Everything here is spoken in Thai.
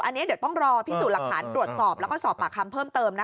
อันนี้เดี๋ยวต้องรอพิสูจน์หลักฐานตรวจสอบแล้วก็สอบปากคำเพิ่มเติมนะคะ